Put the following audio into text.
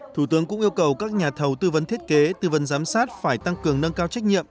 thủ tướng cũng yêu cầu các nhà thầu tư vấn thiết kế tư vấn giám sát phải tăng cường nâng cao trách nhiệm